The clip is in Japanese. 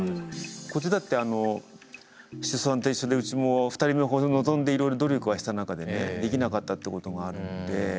こっちだってシソさんと一緒でうちも２人目を望んでいろいろ努力はした中でねできなかったってことがあるので。